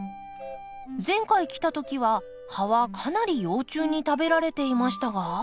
前回来た時は葉はかなり幼虫に食べられていましたが。